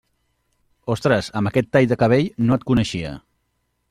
Ostres, amb aquest tall de cabell no et coneixia.